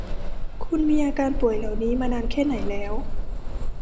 คุณมีอาการป่วยเหล่านี้มานานแค่ไหนแล้ว